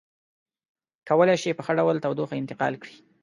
کولی شي په ښه ډول تودوخه انتقال کړي.